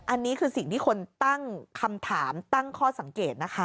อันนี้คือสิ่งที่คนตั้งคำถามตั้งข้อสังเกตนะคะ